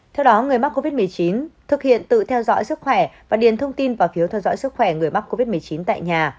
theo đó người mắc covid một mươi chín thực hiện tự theo dõi sức khỏe và điền thông tin vào phiếu theo dõi sức khỏe người mắc covid một mươi chín tại nhà